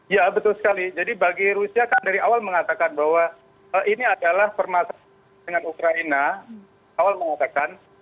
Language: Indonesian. ya betul sekali jadi bagi rusia kan dari awal mengatakan bahwa ini adalah permasalahan dengan ukraina awal mengatakan